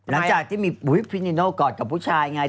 นับจากที่มีบุติพี่นิโน้วกอดกับผู้ชาย